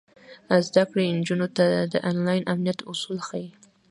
زده کړه نجونو ته د انلاین امنیت اصول ښيي.